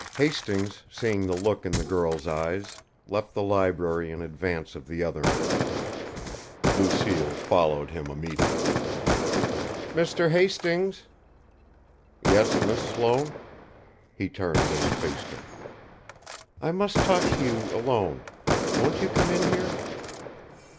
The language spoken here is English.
Hastings, seeing the look in the girl's eyes, left the library in advance of the other men. Lucille followed him immediately. "Mr. Hastings!" "Yes, Miss Sloane?" He turned and faced her. "I must talk to you, alone. Won't you come in here?"